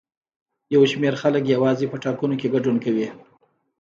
یو شمېر خلک یوازې په ټاکنو کې ګډون کوي.